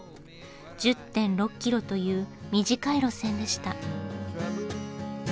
１０．６ｋｍという短い路線でした。